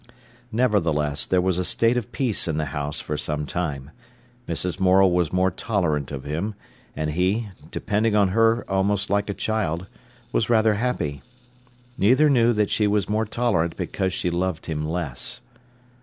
Nevertheless, there was a state of peace in the house for some time. Mrs. Morel was more tolerant of him, and he, depending on her almost like a child, was rather happy. Neither knew that she was more tolerant because she loved him less.